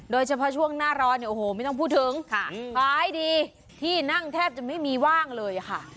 โดยเฉพาะช่วงหน้าร้อนเนี่ยโอ้โหไม่ต้องพูดถึงขายดีที่นั่งแทบจะไม่มีว่างเลยค่ะ